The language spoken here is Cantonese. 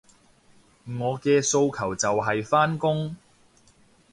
我嘅訴求就係返工